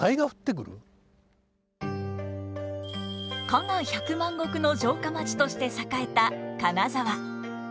加賀百万石の城下町として栄えた金沢。